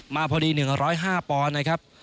มาพอดี๑๐๕ปอนด์นะครับ